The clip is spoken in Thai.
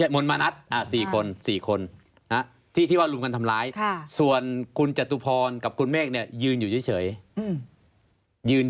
มนต์มณัฐ๔คน๔คนที่ว่ารุมกันทำร้ายส่วนคุณจตุพรกับคุณเมฆเนี่ยยืนอยู่เฉย